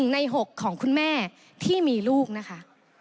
ใน๖ของคุณแม่ที่มีลูกนะคะ